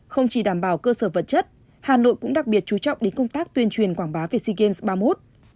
không chỉ đảm bảo cơ sở vật chất hà nội cũng đặc biệt chú trọng đến công tác tuyên truyền quảng bá về sea games ba mươi một